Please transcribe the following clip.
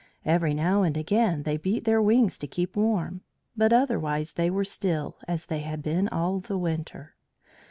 Every now and again they beat their wings to keep warm, but otherwise they were still, as they had been all the winter.